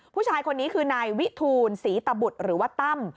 ผู้ชายคนนี้คือนายวิทูลศรีตบุตรหรือว่าตั้ม